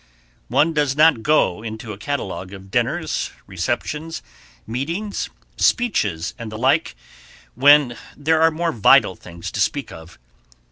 One does not go into a catalogue of dinners, receptions, meetings, speeches, and the like, when there are more vital things to speak of.